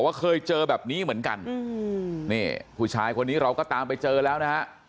ว่าเคยเจอแบบนี้เหมือนกันนี่ผู้ชายคนนี้เราก็ตามไปเจอแล้วนะฮะ